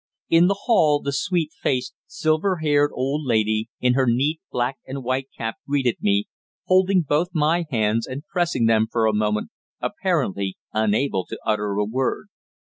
In the hall the sweet faced, silver haired old lady, in her neat black and white cap greeted me, holding both my hands and pressing them for a moment, apparently unable to utter a word.